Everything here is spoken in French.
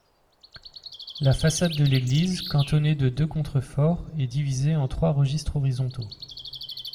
La façade de l'église, cantonnée de deux contreforts, est divisée en trois registres horizontaux.